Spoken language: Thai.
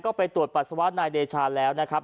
ก็ไปตรวจปัสสาวะนายเดชาแล้วนะครับ